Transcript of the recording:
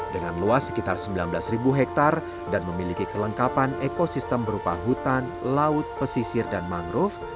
dengan luas sekitar sembilan belas hektare dan memiliki kelengkapan ekosistem berupa hutan laut pesisir dan mangrove